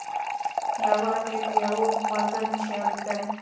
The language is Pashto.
یوازې په یوه وزر نه شي الوتلای.